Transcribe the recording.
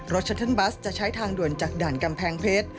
ชัตเทิร์นบัสจะใช้ทางด่วนจากด่านกำแพงเพชร